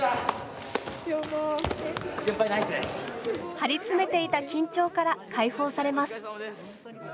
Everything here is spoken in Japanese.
張り詰めていた緊張から解放されます。